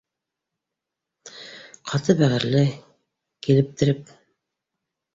Ҡаты бәғерле килептереп